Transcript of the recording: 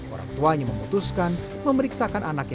orang tuanya memutuskan memeriksakan anaknya